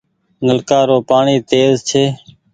نلڪآ رو پآڻيٚ تيز ڇي ۔